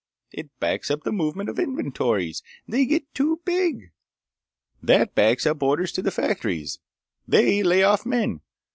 It backs up the movement of inventories. They get too big. That backs up orders to the factories. They lay off men.